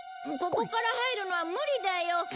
ここから入るのは無理だよ。